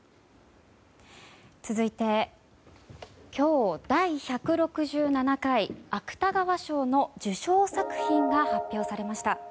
続いて、今日第１６７回芥川賞の受賞作品が発表されました。